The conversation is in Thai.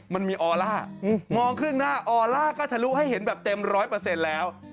มันมีออล่ามองครึ่งหน้าออลล่าก็ทะลุให้เห็นแบบเต็มร้อยเปอร์เซ็นต์แล้ว